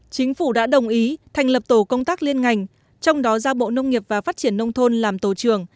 chính phủ đã đồng ý thành lập tổ công tác liên ngành trong đó ra bộ nông nghiệp và phát triển nông thôn làm tổ trưởng